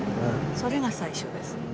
それが最初です。